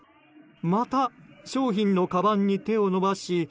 また商品のかばんに手を伸ばし